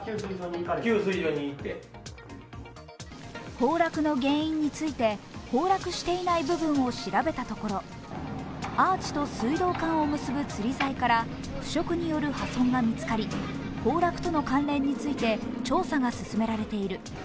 崩落の原因について、崩落していない部分を調べたところ、アーチと水道管を結ぶつり材から腐食による破損が見つかり、崩落との関連について調査が進められている。